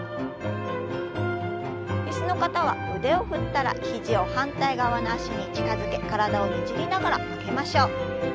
椅子の方は腕を振ったら肘を反対側の脚に近づけ体をねじりながら曲げましょう。